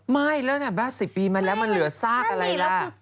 ไม่แล้วนะ๘๐ปีมาแล้วมันเหลือซากอะไรล่ะ